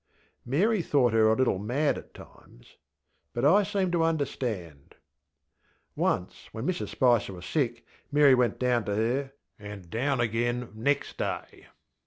Mary thought her a little mad at times. But I seemed to understand. Once, when Mrs Spicer was sick, Mary went down to her, and down again next day.